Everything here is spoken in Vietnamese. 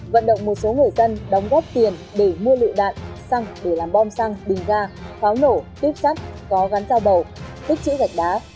vận động một số người dân đóng góp tiền để mua lựu đạn xăng để làm bom xăng bình ga pháo nổ tuyếp sắt có gắn dao bầu tích chữ gạch đá